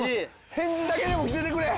返事だけでも来ててくれ！